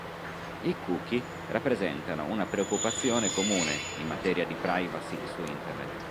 I "cookie" rappresentano una preoccupazione comune in materia di "privacy" su Internet.